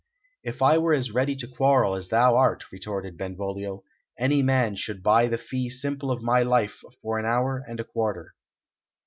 "If I were as ready to quarrel as thou art," retorted Benvolio, "any man should buy the fee simple of my life for an hour and a quarter."